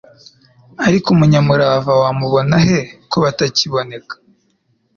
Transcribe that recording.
ariko umunyamurava wamubona he kobatakiboneka